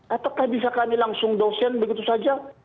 apakah bisa kami langsung dosen begitu saja